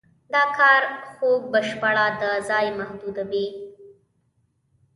دا کار خوک بشپړاً د ځای محدودوي.